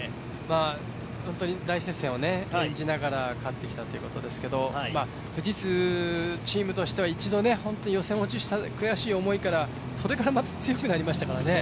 本当に大接戦を演じながら勝ってきたということですけど、富士通、チームとしては一度予選落ちした悔しさから、それからまた強くなりましたからね。